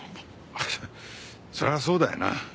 そりゃそうだよな。